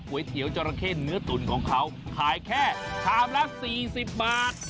ก๋วยเตี๋ยวจอละเข้ตุ๋นของเขาขายแค่ชามละ๔๐บาท